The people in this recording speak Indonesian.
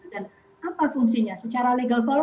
dan apa fungsinya secara legal